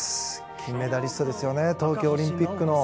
金メダリストですよね東京オリンピックの。